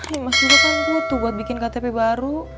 imas juga kan butuh buat bikin ktp baru